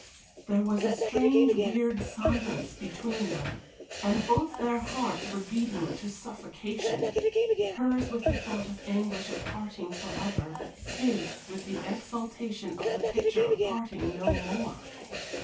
There was a strange, weird silence between them, and both their hearts were beating to suffocation hers with the thought of the anguish of parting forever, his with the exaltation of the picture of parting no more.